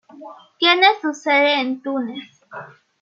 Tiene su sede en Túnez.